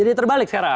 jadi terbalik sekarang